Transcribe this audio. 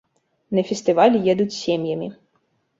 На фестываль едуць сем'ямі.